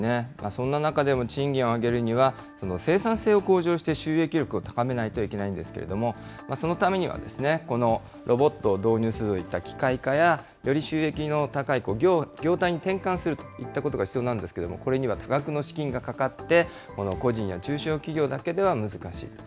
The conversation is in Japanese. そんな中でも賃金を上げるには、生産性を向上して収益力を高めないといけないんですけれども、そのためには、このロボットを導入するといった機械化や、より収益の高い業態に転換するといったことが必要なんですけれども、これには多額の資金がかかって、この個人の中小企業だけでは難しい。